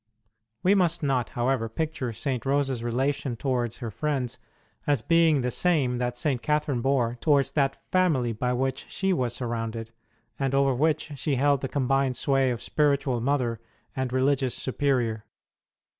We must not, however, picture St. Rose s relation towards her friends as being the same that St. Catherine bore towards that family by which she was surrounded, and over which she held the combined sway of spiritual mother and Religious Superior.